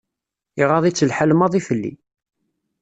Iɣaḍ-itt lḥal maḍi fell-i.